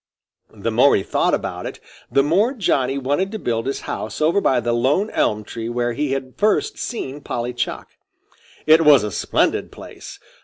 The more he thought about it, the more Johnny wanted to build his house over by the lone elm tree where he had first seen Polly Chuck. It was a splendid place.